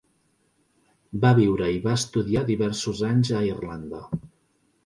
Va viure i va estudiar diversos anys a Irlanda.